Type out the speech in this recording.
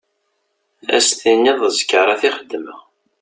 Ad s-tiniḍ d ẓẓkarat i xeddmeɣ.